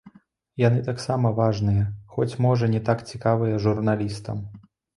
Яны таксама важныя, хоць, можа, не так цікавыя журналістам.